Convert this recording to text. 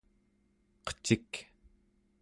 qecik